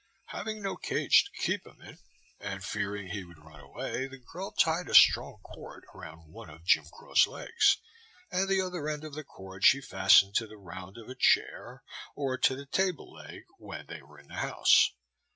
Having no cage to keep him in, and fearing he would run away, the girl tied a strong cord around one of Jim Crow's legs, and the other end of the cord she fastened to the round of a chair or to the table leg when they were in the house.